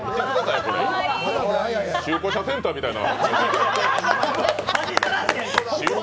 中古車センターみたいな。